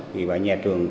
vậy vậy nhà trường